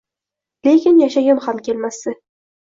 Lekin yashagim ham kelmasdi